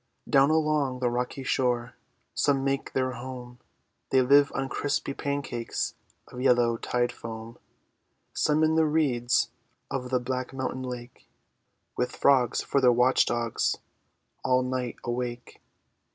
Down along the rocky shore Some make their home, They live on crispy pancakes Of yellow tide foam; Some in the reeds Of the black mountain lake, With frogs for their watch dogs, All night awake.